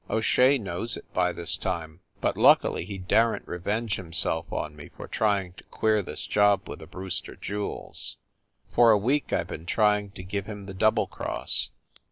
O Shea knows it by this time, but luckily he daren t revenge himself on me for trying to queer this job with the Brewster jewels. For a week I ve been trying to give him the double cross."